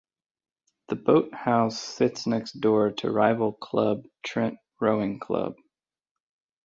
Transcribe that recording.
The boathouse sits next door to rival club Trent Rowing Club.